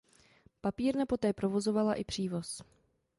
Papírna poté provozovala i přívoz.